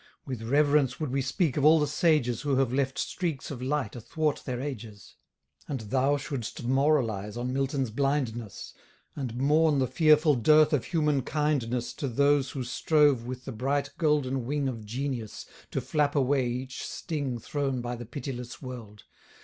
With reverence would we speak of all the sages Who have left streaks of light athwart their ages: And thou shouldst moralize on Milton's blindness, And mourn the fearful dearth of human kindness To those who strove with the bright golden wing Of genius, to flap away each sting Thrown by the pitiless world.